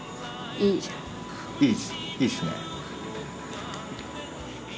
いいっすね。